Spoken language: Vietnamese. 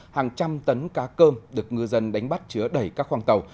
hàng trăm tấn cá cơm được ngư dân đánh bắt chứa đẩy các khoang tàu